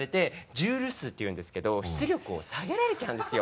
ジュール数っていうんですけど出力を下げられちゃうんですよ。